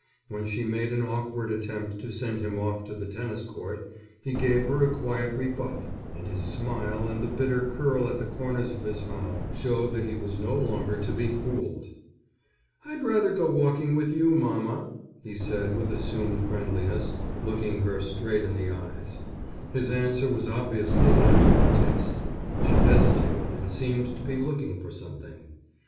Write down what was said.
When she made an awkward attempt to send him off to the tennis court, he gave her a quiet rebuff, and his smile and the bitter curl at the corners of his mouth showed that he was no longer to be fooled. "I'd rather go walking with you, mamma," he said with assumed friendliness, looking her straight in the eyes. His answer was obviously not to her taste. She hesitated and seemed to be looking for something.